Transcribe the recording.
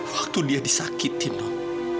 waktu dia disakitin non